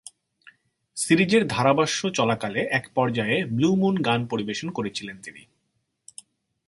সিরিজের ধারাভাষ্য চলাকালে এক পর্যায়ে ব্লু মুন গান পরিবেশন করেছিলেন তিনি।